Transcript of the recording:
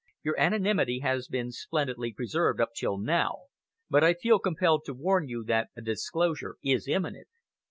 Your anonymity has been splendidly preserved up till now, but I feel compelled to warn you that a disclosure is imminent.